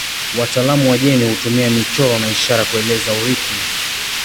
Wataalamu wa jeni hutumia michoro na ishara kueleza urithi.